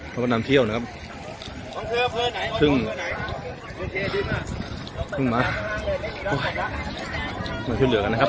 แล้วก็นำเที่ยวนะครับซึ่งซึ่งมาเหลือกันนะครับ